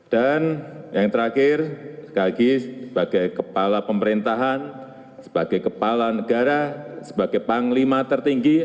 dan yang terakhir sekali lagi sebagai kepala pemerintahan sebagai kepala negara sebagai panglima tertinggi